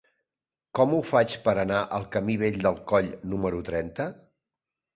Com ho faig per anar al camí Vell del Coll número trenta?